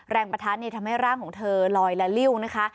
แรงประทัดเนี่ยทำให้ร่างของเธอลอยและริ่วนะคะ